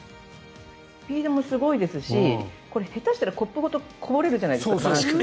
スピードもすごいですし下手したらコップごとこぼれるじゃないですか。